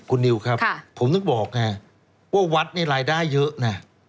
คุณนิวครับผมต้องบอกไงว่าวัดนี่รายได้เยอะนะ